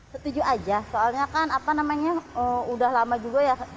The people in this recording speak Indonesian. setuju aja soalnya kan apa namanya udah lama juga ya